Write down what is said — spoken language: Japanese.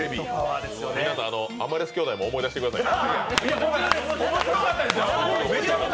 皆さん、アマレス兄弟も思い出してくださいね。